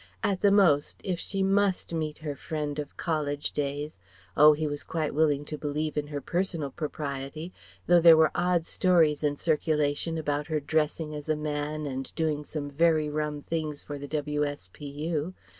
At the most, if she must meet her friend of college days oh, he was quite willing to believe in her personal propriety, though there were odd stories in circulation about her dressing as a man and doing some very rum things for the W.S.P.U.